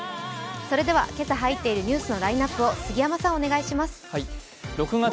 それでは今朝入っているニュースのラインナップを杉山さんお願いします。